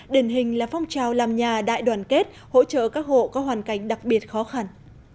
điển hình là phong trào làm nhà đại đoàn kết hỗ trợ các hộ có hoàn cảnh đặc biệt khó khăn